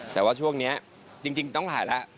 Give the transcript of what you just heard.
แต่ว่าช่วงนี้จริงต้องถ่ายแล้ว